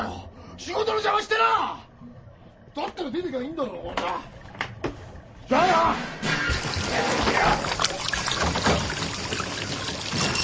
仕事のジャマしてなだったら出ていきゃいいんだろじゃあな出ていけよ！